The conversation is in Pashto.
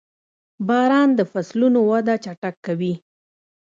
• باران د فصلونو وده چټکوي.